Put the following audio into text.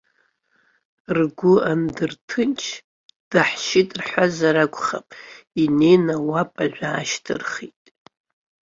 Ргәы андырҭынч, даҳшьит рҳәазар акәхап, инеины ауапажә аашьҭырхит.